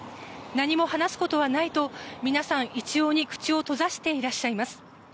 何も話すことはないと皆さん、一様に口を閉ざしていらっしゃいます。